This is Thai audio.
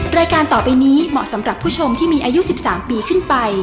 รายการต่อไปนี้เหมาะสำหรับผู้ชมที่มีอายุ๑๓ปีขึ้นไป